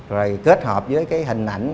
rồi kết hợp với cái hình ảnh